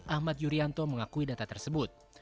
ahmad yuryanto mengakui data tersebut